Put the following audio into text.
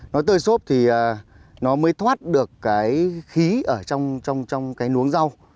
nó tơi xốp thì nó mới thoát được cái khí ở trong cái nuống rau